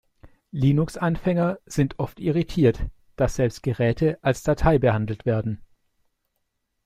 Linux-Anfänger sind oft irritiert, dass selbst Geräte als Datei behandelt werden.